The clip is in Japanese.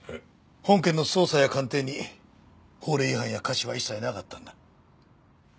本件の捜査や鑑定に法令違反や瑕疵は一切なかったんだ。